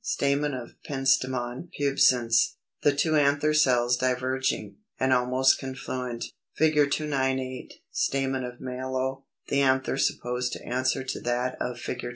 Stamen of Pentstemon pubescens; the two anther cells diverging, and almost confluent.] [Illustration: Fig. 298. Stamen of Mallow; the anther supposed to answer to that of Fig.